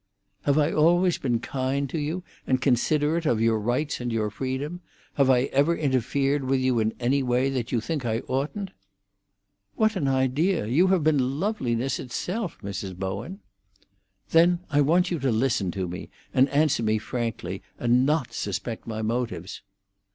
"Have I always been kind to you, and considerate of your rights and your freedom? Have I ever interfered with you in any way that you think I oughtn't?" "What an idea! You've been loveliness itself, Mrs. Bowen!" "Then I want you to listen to me, and answer me frankly, and not suspect my motives."